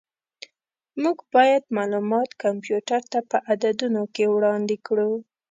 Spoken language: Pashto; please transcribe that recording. موږ باید معلومات کمپیوټر ته په عددونو کې وړاندې کړو.